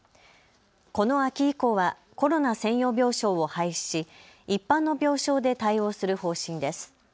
この秋以降はコロナ専用病床を廃止し一般の病床で対応する方針です。